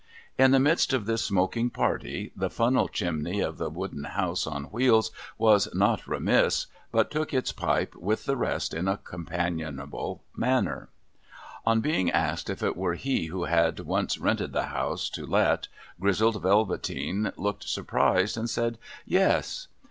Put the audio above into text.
In the midst of this smoking party, the funnel chimney of the wooden house on wheels was not remiss, but took its pipe with the rest in a companionable manner. On being asked if it were he who had once rented the House to Let, Grizzled Velveteen looked surprised, and said yes.